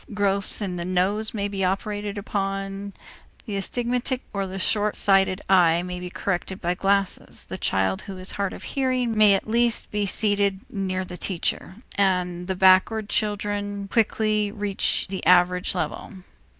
Growths in the nose may be operated upon, the astigmatic or the short sighted eye may be corrected by glasses, the child who is hard of hearing may at least be seated near the teacher; and the backward children quickly reach the average level.